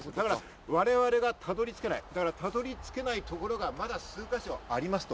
我々がたどり着けない、たどり着けないところがまだ数か所ありますと。